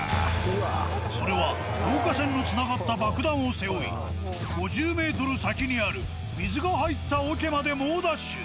それは、導火線のつながった爆弾を背負い、５０メートル先にある水が入ったおけまで猛ダッシュ。